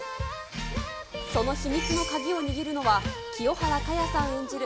その秘密の鍵を握るのは、清原果耶さん演じる、